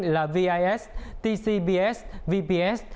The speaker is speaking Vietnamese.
là vis tcbs vps